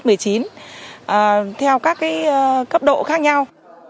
theo các cấp độ khác nhau